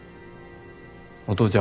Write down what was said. お父ちゃん